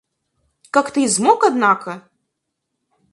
Как ты измок однако!